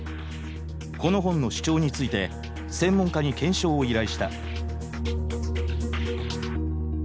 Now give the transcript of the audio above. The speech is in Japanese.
この本の主張について専門家に検証を依頼した。